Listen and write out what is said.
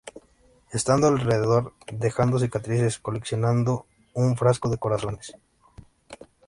Estando alrededor, dejando cicatrices, coleccionando un frasco de corazones.